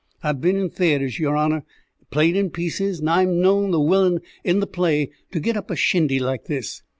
I've been in theatres, yer honour, and played in pieces, and I've known the willain in the play get up a shindy like this.